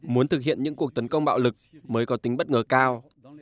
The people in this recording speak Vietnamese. muốn thực hiện những cuộc tấn công bạo lực mới có tính bất ngờ cao